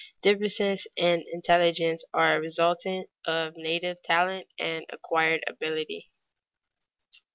_Differences in intelligence are a resultant of native talent and acquired ability.